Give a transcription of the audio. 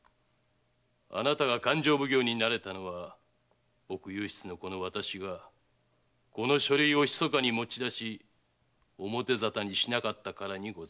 あなたが勘定奉行になれたのは奥右筆の私がこの書類をひそかに持ち出し表沙汰にしなかったからにございます。